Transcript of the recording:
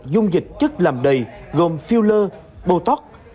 dung dịch chất làm đầy gồm filler botox